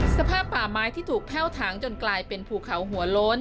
สภาพป่าไม้ที่ถูกแพ่วถางจนกลายเป็นภูเขาหัวโล้น